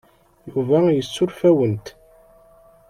Yuba yessuref-awent.